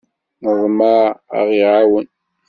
Neḍmeɛ ad aɣ-iɛawen.